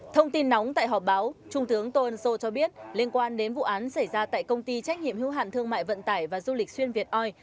trung tướng tô ân sô cho biết liên quan đến vụ án xảy ra tại công ty trách nhiệm hưu hạn thương mại vận tải và du lịch xuyên việt oi